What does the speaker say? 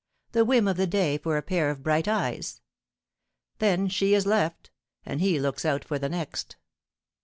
the whim of the day for a pair of bright eyes. Then she is left, and he looks out for the next.